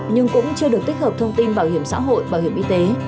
nhưng cũng chưa được tích hợp thông tin bảo hiểm xã hội bảo hiểm y tế